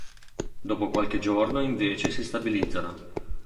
Dopo qualche giorno invece si stabilizzano.